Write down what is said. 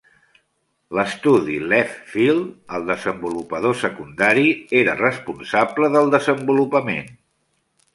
L'estudi Left Field, el desenvolupador secundari, era responsable del desenvolupament.